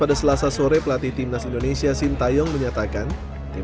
dan juga untuk menonton permainan menyerang yang kuat